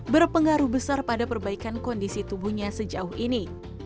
berpengaruh besar pada perbaikan kondisi tubuhnya sejauh ini